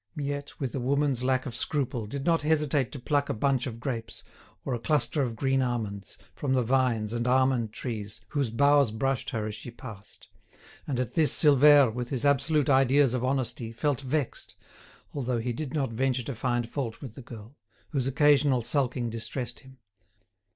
Miette, with a woman's lack of scruple, did not hesitate to pluck a bunch of grapes, or a cluster of green almonds, from the vines and almond trees whose boughs brushed her as she passed; and at this Silvère, with his absolute ideas of honesty, felt vexed, although he did not venture to find fault with the girl, whose occasional sulking distressed him.